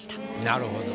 なるほど。